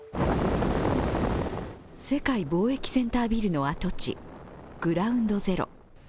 世界貿易センタービルの跡地、グラウンド・ゼロ。